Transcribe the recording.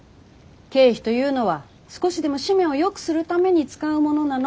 経費というのは少しでも誌面をよくするために使うものなの。